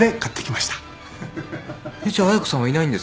じゃあ彩子さんはいないんですか？